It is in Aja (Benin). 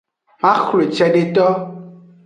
Maxwle cedeto.